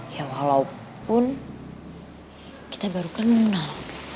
ya walaupun kita baru kenal